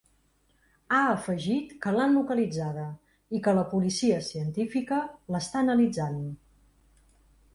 Ha afegit que l’han localitzada i que la policia científica l’està analitzant.